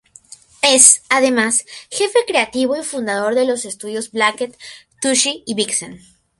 Es, además, jefe creativo y fundador de los estudios Blacked, Tushy y Vixen.